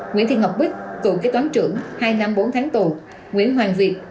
nguyễn thị ngọc bích cựu kế toán trưởng hai năm bốn tháng tù nguyễn hoàng việt